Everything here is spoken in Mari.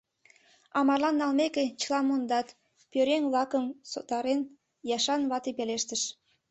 А марлан налмеке, чыла мондат... — пӧръеҥ-влакым сотарен, Яшан вате пелештыш.